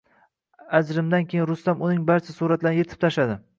Ajrimdan keyin Rustam uning barcha suratlarini yirtib tashladi